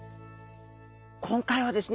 今回はですね